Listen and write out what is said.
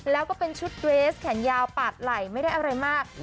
แล้วก็เป็นชุดเดรสแขนยาวปาดไหล่ไม่ได้อะไรมาก